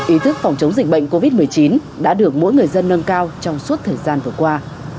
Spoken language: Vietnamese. ý thức phòng chống dịch bệnh covid một mươi chín đã được mỗi người dân nâng cao trong suốt thời gian vừa qua